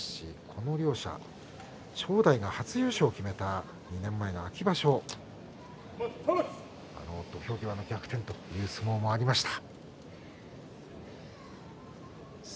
この両者、正代が初優勝を決めた２年前の秋場所土俵際の逆転という相撲もありました。